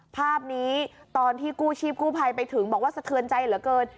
ภาพนี้ตอนที่กู้ชีพกู้ภัยไปถึงบอกว่าสะเทือนใจเหลือเกิน